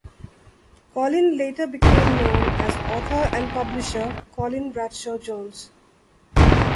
Colin later became known as author and publisher Colin Bradshaw-Jones.